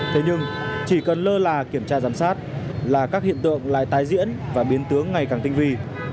thế nhưng chỉ cần lơ là kiểm tra giám sát là các hiện tượng lại tái diễn và biến tướng ngày càng tinh vi